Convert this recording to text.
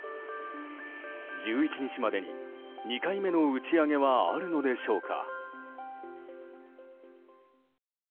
１１日までに２回目の打ち上げはあるのでしょうか。